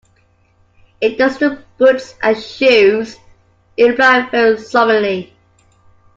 ‘It does the boots and shoes,’ it replied very solemnly.